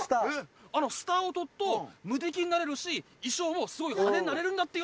あのスターを取っと無敵になれるし衣装もすごい派手になれるんだってよ。